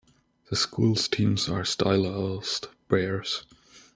The school's teams are stylized Bears.